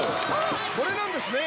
これなんですね！